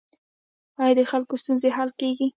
آیا د خلکو ستونزې حل کیږي؟